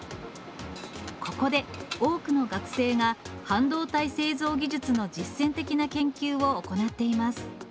ここで多くの学生が、半導体製造技術の実践的な研究を行っています。